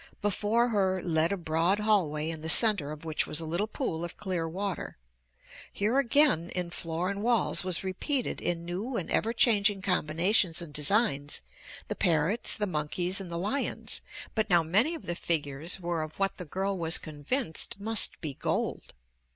Before her led a broad hallway in the center of which was a little pool of clear water. Here again in floor and walls was repeated in new and ever changing combinations and designs, the parrots, the monkeys, and the lions, but now many of the figures were of what the girl was convinced must be gold.